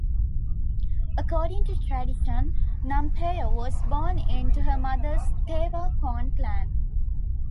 According to tradition, Nampeyo was born into her mother's Tewa Corn clan.